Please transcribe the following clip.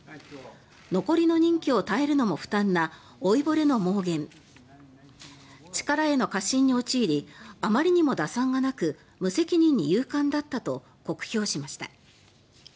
残りの任期を耐えるのも負担な老いぼれの妄言力への過信に陥りあまりにも打算がなく無責任に勇敢だったと酷評しました。